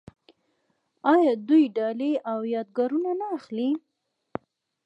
آیا دوی ډالۍ او یادګارونه نه اخلي؟